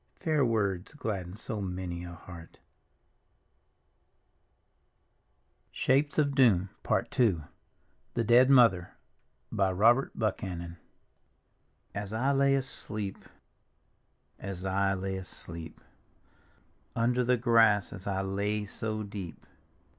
Fair words gladden so many a heart. THE DEAD MOTHER : Robert buchanan I As I lay asleep, as I lay asleep. Under the grass as I lay so deep.